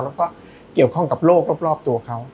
แล้วก็เกี่ยวข้องกับโลกรอบตัวเขา